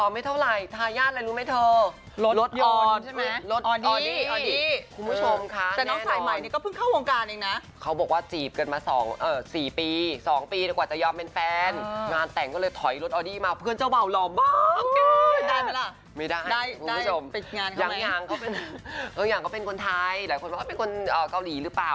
ไม่ได้คุณผู้ชมยางเขาก็เป็นก้นไทยหลายคนบอกว่าเป็นก้นเกาหลีหรือเปล่า